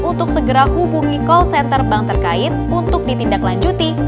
untuk segera hubungi call center bank terkait untuk ditindaklanjuti